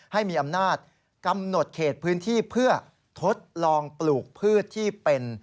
ให้มีอำนาจกำหนดเขตพื้นที่เพื่อทดลองปลูกพืชที่เป็น